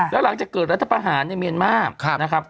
แล้วหลังจากเกิดรัฐบาหารในเมียนมาส์